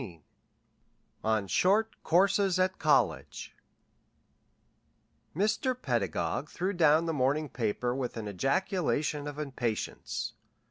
XV ON SHORT COURSES AT COLLEGE Mr. Pedagog threw down the morning paper with an ejaculation of impatience.